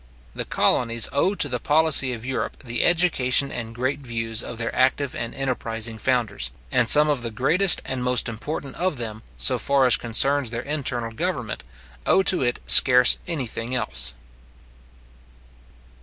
The colonies owe to the policy of Europe the education and great views of their active and enterprizing founders; and some of the greatest and most important of them, so far as concerns their internal government, owe to it scarce anything else.